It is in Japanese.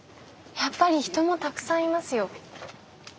やっぱり人もたくさんいますよ。